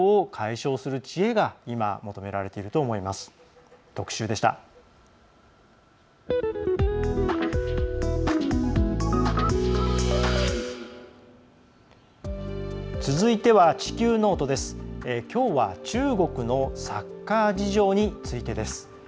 きょうは中国のサッカー事情についてです。